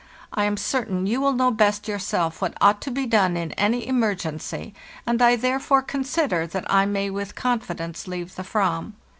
I am certain you will know best yourself what ought to be done in any emergency, and I therefore consider that I may with confidence leave the Fram.